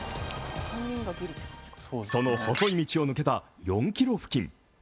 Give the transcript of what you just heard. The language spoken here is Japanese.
その細い道を抜けた４ｋｍ付近。